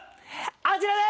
あちらです！